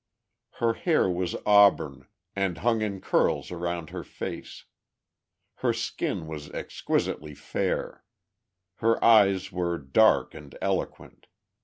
Her hair was auburn, and hung in curls around her face; her skin was exquisitely fair; her eyes were dark and eloquent.